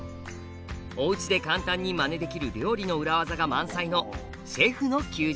おうちで簡単にまねできる料理の裏技が満載の「シェフの休日」。